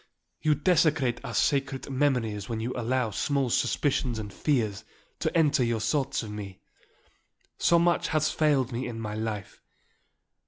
You desecrate our sacred memories when you allow small suspicions and fears to enter your thoughts of me. So much has failed me in my life.